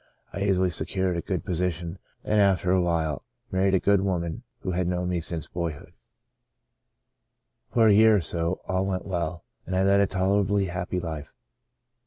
I easily secured a good position, and, after a little while, married a good woman who had known me since boy hood. For a year or so, all went well, and I led a tolerably happy life.